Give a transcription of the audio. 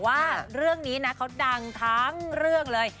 ว่าเรื่องนี้นะเขาดังทั้งเรื่องเลย